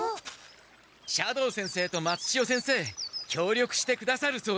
斜堂先生と松千代先生協力してくださるそうです。